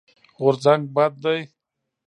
غورځنګ بد دی.